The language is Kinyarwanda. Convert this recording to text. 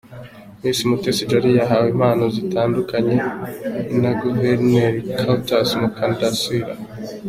Miss Mutesi Jolly yahawe impano zitandukanye na Guverineri Cartas Mukandasira.